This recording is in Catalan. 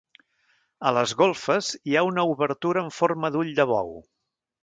A les golfes, hi ha una obertura en forma d'ull de bou.